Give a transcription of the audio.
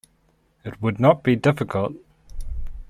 It would not be difficult.